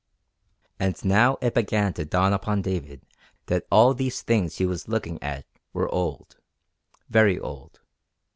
And now it began to dawn upon David that all these things he was looking at were old very old.